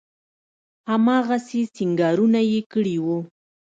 هماغسې سينګارونه يې کړي وو.